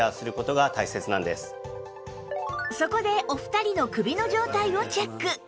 そこでお二人の首の状態をチェック！